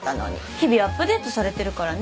日々アップデートされてるからね。